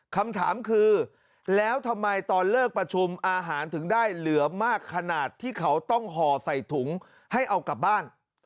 คำถามคือแล้วทำไมตอนเลิกประชุมอาหารถึงได้เหลือมากขนาดที่เขาต้องห่อใส่ถุงให้เอากลับบ้าน